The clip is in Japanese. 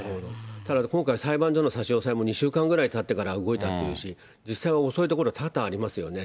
ただ、今回裁判所での差し押さえも２週間ぐらいたってから動いたっていうし、実際は遅いところ多々ありますよね。